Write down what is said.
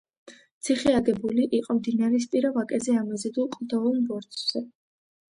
ციხე აგებული იყო მდინარისპირა ვაკეზე ამოზიდულ კლდოვან ბორცვზე.